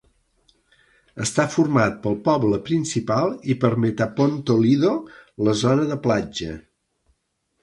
Està format pel poble principal i per Metaponto Lido, la zona de platja.